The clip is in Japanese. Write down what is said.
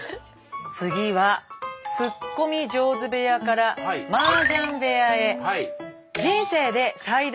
次はツッコミ上手部屋からマージャン部屋へ。